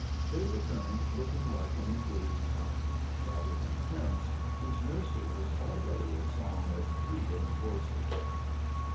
They returned looking like an engaged couple, rather than parents whose nursery was already a song of three little voices.